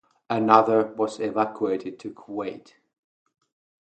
Another was evacuated to Kuwait.